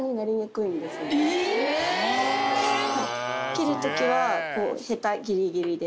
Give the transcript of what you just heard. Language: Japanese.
切る時はヘタギリギリで。